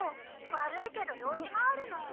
「悪いけど用事があるの」